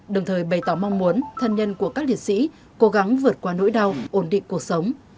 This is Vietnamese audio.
đồng thời bày tỏ mong muốn thân nhân của các liệt sĩ cố gắng vượt qua nỗi đau ổn định cuộc sống